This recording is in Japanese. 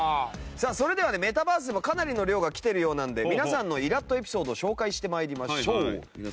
さあそれではねメタバースでもかなりの量が来ているようなので皆さんのイラッとエピソードを紹介して参りましょう。